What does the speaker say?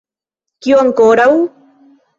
Kio ankoraŭ?